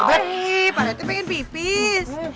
eh pak rete pengen pipis